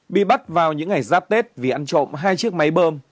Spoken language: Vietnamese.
bị bắt vào những ngày giáp tết vì ăn trộm hai chiếc máy bơm